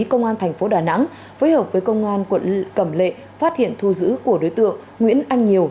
công an thành phố đà nẵng phối hợp với công an quận cẩm lệ phát hiện thu giữ của đối tượng nguyễn anh nhiều